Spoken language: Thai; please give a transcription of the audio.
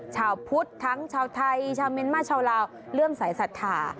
ชาวพุทธทั้งชาวไทยชาวเมียนมาชาวลาวเรื่องสายศรัทธา